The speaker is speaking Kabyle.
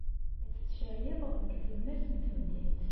La tettcaliḍ deg tlemmast n temdint.